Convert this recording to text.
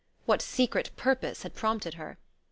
What secret purpose had prompted her?